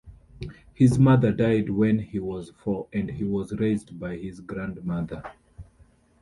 His mother died when he was four and he was raised by his grandmother.